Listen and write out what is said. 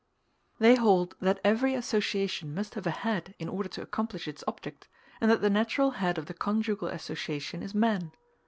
They hold that every association must have a head in order to accomplish its object, and that the natural head of the conjugal association is man.